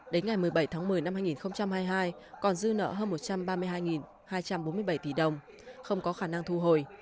đến ngày một mươi bảy tháng một mươi năm hai nghìn hai mươi hai còn dư nợ hơn một trăm ba mươi hai hai trăm bốn mươi bảy tỷ đồng không có khả năng thu hồi